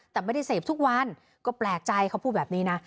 แต่ไม่ได้เสพทุกวันก็แปลกใจเขาพูดแบบนี้นะ